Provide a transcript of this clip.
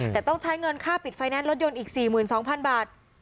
แต่ต้องใช้เงินค่าปิดไฟแนนซ์รถยนต์อีก๔๒๐๐๐บาท